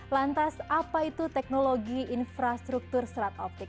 lantas apa itu teknologi infrastruktur serat optik